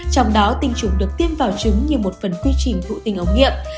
trong đó tinh trùng được tiêm vào trứng như một phần quy trình thụ tinh ống nghiệp